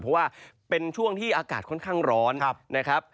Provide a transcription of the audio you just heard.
เพราะว่าเป็นช่วงที่อากาศค่อนข้างร้อนนะครับ